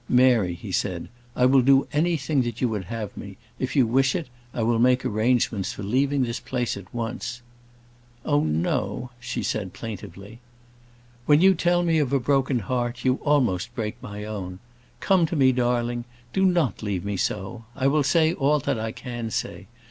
"Mary," he said, "I will do anything that you would have me. If you wish it, I will make arrangements for leaving this place at once." "Oh, no," she said, plaintively. "When you tell me of a broken heart, you almost break my own. Come to me, darling; do not leave me so. I will say all that I can say.